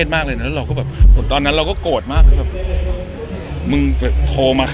ออกทำงานคำนาม